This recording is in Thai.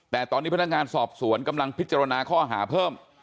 แต่ตอนนี้พนักงานสอบสวนกำลังพิจารณาข้อหาเพิ่ม